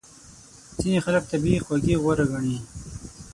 ځینې خلک طبیعي خوږې غوره ګڼي.